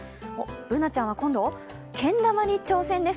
Ｂｏｏｎａちゃんは今度けん玉に挑戦です。